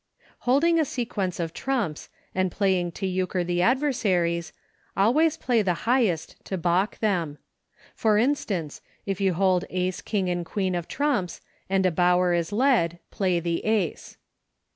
Holding a sequence of trumps, and playing to Euchre the adversaries, always play the highest to balk them ; for instance, if you hold Ace, King, and Queen of trumps, and a Bower is led, play the Ace.